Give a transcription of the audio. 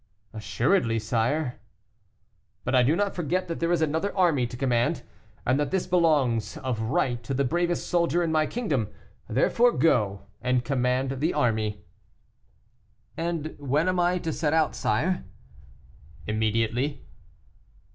"Assuredly, sire." "But I do not forget that there is another army to command, and that this belongs of right to the bravest soldier in my kingdom; therefore go and command the army." "And when am I to set out, sire?" "Immediately."